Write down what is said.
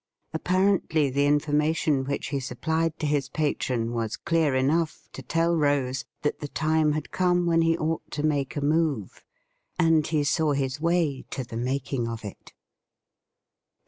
Apparently, the information which he supplied to his patron was clear enough to tell Rose that the time had come when he ought to make a move, and he saw his way to the making of it.